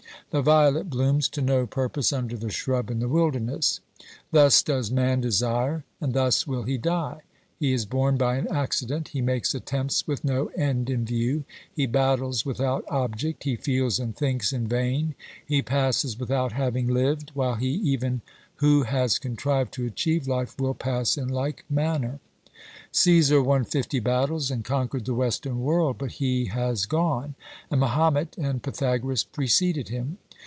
The violet blooms to no purpose under the shrub in the wilderness. Thus does man desire, and thus will he die. He is born by an accident, he makes attempts with no end in view, he battles without object, he feels and thinks in vain, he passes without having lived, while he even who has contrived to achieve life will pass in like manner. Caesar won fifty battles and conquered the western world, but he has gone, and Mahomet and Pythagoras preceded him.